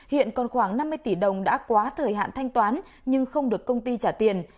hiện còn khoảng năm mươi tỷ đồng đã quá thời hạn thanh toán nhưng không được công ty trả tiền